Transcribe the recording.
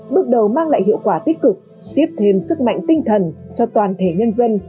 bước đầu mang lại hiệu quả tích cực tiếp thêm sức mạnh tinh thần cho toàn thể nhân dân